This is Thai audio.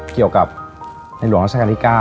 เกี่ยวกับหลวงรัฐกันที่๙